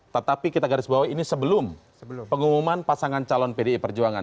tetapi kita garis bawah ini sebelum pengumuman pasangan calon pdi perjuangan